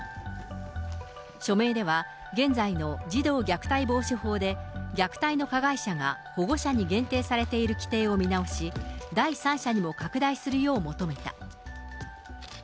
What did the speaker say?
署名では、現在の児童虐待防止法で虐待の加害者が保護者に限定されている規定を見直し、第三者にも拡大するよう求めた。